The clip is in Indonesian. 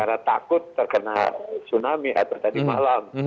karena takut terkena tsunami atau tadi malam